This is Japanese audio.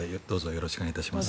よろしくお願いします。